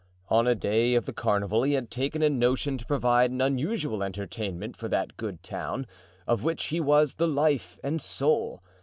On a day of the carnival he had taken a notion to provide an unusual entertainment for that good town, of which he was the life and soul.